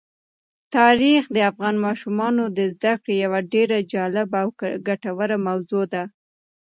تاریخ د افغان ماشومانو د زده کړې یوه ډېره جالبه او ګټوره موضوع ده.